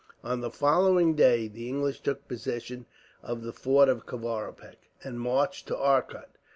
On the following day, the English took possession of the fort of Kavaripak, and marched to Arcot.